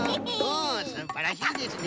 うんすばらしいですね。